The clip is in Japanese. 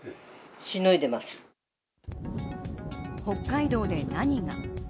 北海道で何が。